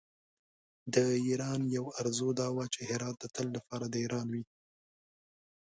د ایران یوه آرزو دا وه چې هرات د تل لپاره د ایران وي.